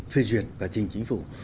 phê duyệt và chỉnh chính phủ